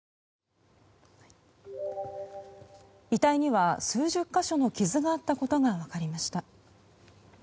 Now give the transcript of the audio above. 遺体には数十か所の傷があったことが分かりました。